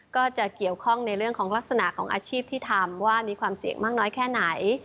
ก็จะเกี่ยวข้องในเรื่องของลักษณะของอาชีพที่ทำว่ามีความเสี่ยงมากน้อยแค่ไหน